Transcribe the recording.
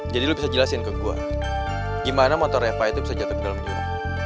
jadi lo bisa jelasin ke gue gimana motor reva itu bisa jatuh ke dalam jurang